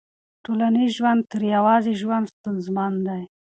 ټولنیز ژوند تر يوازي ژوند ستونزمن دی.